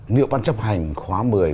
nhiệu bác chấp hành khóa một mươi